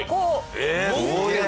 えっ！？